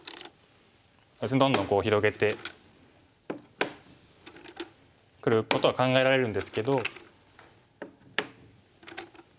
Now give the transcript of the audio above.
どんどんこう広げてくることは考えられるんですけど。